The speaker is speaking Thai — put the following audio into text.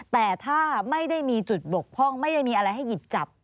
แต่ถ้าไม่ได้มีจุดบกพร่องไม่ได้มีอะไรให้หยิบจับ